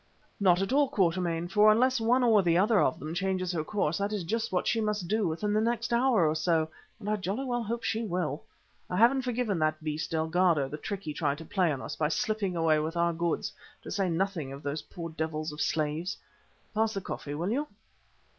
"Not at all, Quatermain, for unless one or the other of them changes her course that is just what she must do within the next hour or so, and I jolly well hope she will. I haven't forgiven that beast, Delgado, the trick he tried to play on us by slipping away with our goods, to say nothing of those poor devils of slaves. Pass the coffee, will you?"